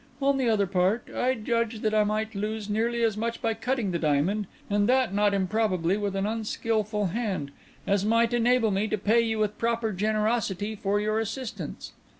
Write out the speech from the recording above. On the other part, I judged that I might lose nearly as much by cutting the diamond, and that not improbably with an unskilful hand, as might enable me to pay you with proper generosity for your assistance.